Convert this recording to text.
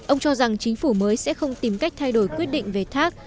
ông cho rằng chính phủ mới sẽ không tìm cách thay đổi quyết định về thác